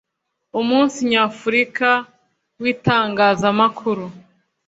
umunsi nyafurika w itangazamakuru